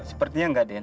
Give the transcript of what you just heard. sepertinya enggak dan